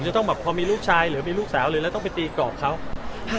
จะต้องแบบพอมีลูกชายหรือมีลูกสาวหรือแล้วต้องไปตีกรอบเขา